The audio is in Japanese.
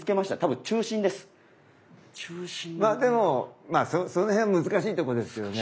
まあでもその辺難しいとこですよね。